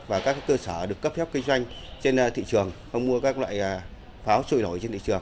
và các cơ sở được cấp phép kinh doanh trên thị trường không mua các loại pháo trôi nổi trên thị trường